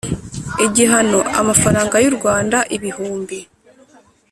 Igihano Amafaranga Y U Rwanda Ibihumbi